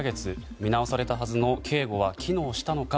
見直されたはずの警護は機能したのか。